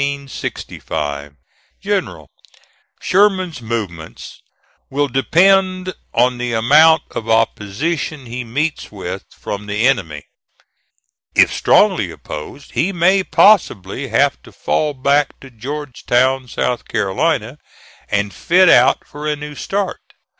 "GENERAL: Sherman's movements will depend on the amount of opposition he meets with from the enemy. If strongly opposed, he may possibly have to fall back to Georgetown, S. C., and fit out for a new start.